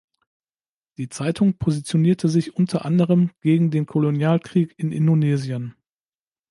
Die Zeitung positionierte sich unter anderem gegen den Kolonialkrieg in Indonesien.